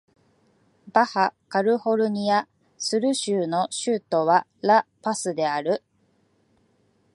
バハ・カリフォルニア・スル州の州都はラ・パスである